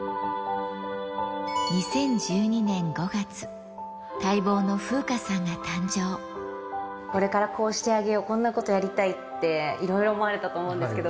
２０１２年５月、これからこうしてあげよう、こんなことやりたいって、いろいろ思われたと思うんですけれども。